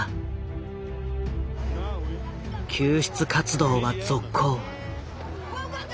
救出活動は続行。